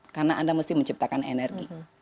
karena anda mesti menciptakan energi